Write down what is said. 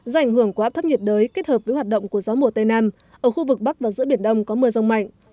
do ảnh hưởng của áp thấp nhiệt đới kết hợp với hoạt động của gió mùa tây nam ở khu vực bắc và giữa biển đông có mưa rông mạnh